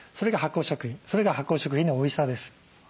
それが発酵食品のおいしさです。